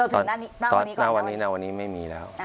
หน้าวันนี้ไม่มีก่อน